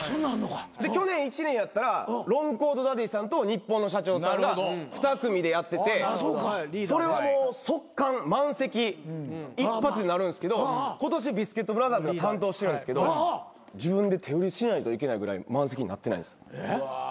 で去年１年やったらロングコートダディさんとニッポンの社長さんが２組でやっててそれはもう即完満席一発でなるんですけど今年ビスケットブラザーズが担当してるんですけど自分で手売りしないといけないぐらい満席になってないんです。